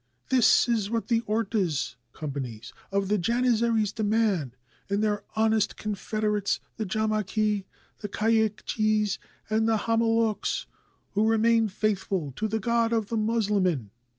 This is what the ortas (companies) of the Janizaries demand, and their honest confederates, the Jamaki, the Kayikjis, and the Hama loks, who remain faithful to the God of the Moslemin."